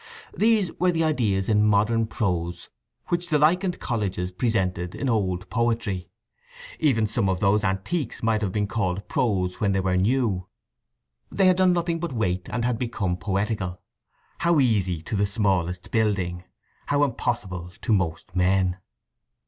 These were the ideas in modern prose which the lichened colleges presented in old poetry. Even some of those antiques might have been called prose when they were new. They had done nothing but wait, and had become poetical. How easy to the smallest building; how impossible to most men.